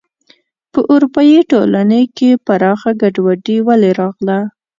په اروپايي ټولنې کې پراخه ګډوډي ولې راغله.